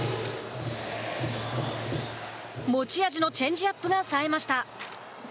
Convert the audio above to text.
持ち味のチェンジアップがさえました。